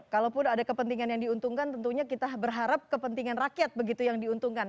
kalaupun ada kepentingan yang diuntungkan tentunya kita berharap kepentingan rakyat begitu yang diuntungkan